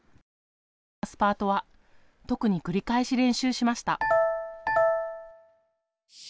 体を回すパートは特に繰り返し練習しました。